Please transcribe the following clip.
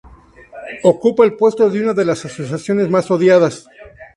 ocupa el puesto de una de las asociaciones más odiadas